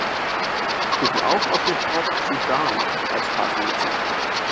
Wir prüfen auch, ob wir Port Sudan als Hafen nutzen können.